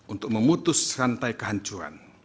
untuk memutus rantai kehancuran